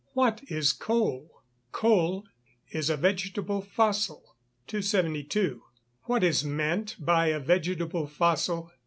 What is coal? Coal is a "vegetable fossil." 272. _What is meant by a vegetable fossil?